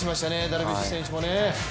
ダルビッシュ選手もね。